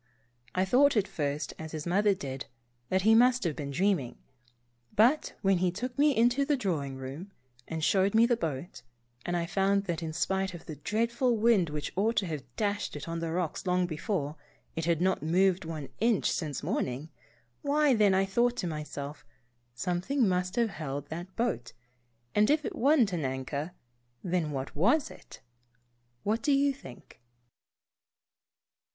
I thought, at first, as his mother did, that he must have been dreaming, Saved. 2 I I but when he took me into the drawing room, and showed me the boat, and I found that in spite of the dreadful wind which ought to have dashed it on the rocks long before, it had not moved one inch since morning, why then I thought to myself, something must have held that boat, and if it wasn't an anchor, then what was it? What do you think